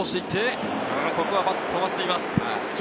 ここはバットが止まっています。